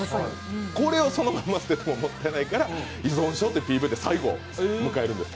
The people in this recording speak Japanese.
これをそのまま捨ててももったいないから「依存症」というＰＶで最後を迎えるんです。